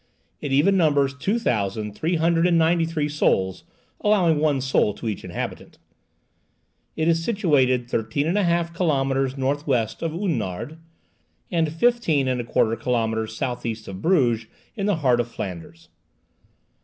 It even numbers two thousand three hundred and ninety three souls, allowing one soul to each inhabitant. It is situated thirteen and a half kilometres north west of Oudenarde, and fifteen and a quarter kilometres south east of Bruges, in the heart of Flanders.